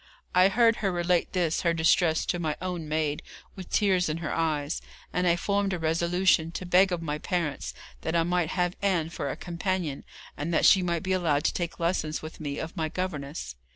I heard her relate this her distress to my own maid, with tears in her eyes, and I formed a resolution to beg of my parents that I might have Ann for a companion, and that she might be allowed to take lessons with me of my governess.